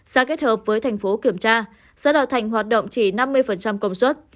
sẽ kết hợp với thành phố kiểm tra xã đạo thành hoạt động chỉ năm mươi công suất